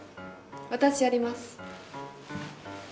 私やります。